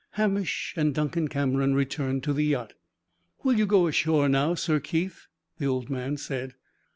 Hamish and Duncan Cameron returned to the yacht. "Will you go ashore now, Sir Keith?" the old man said.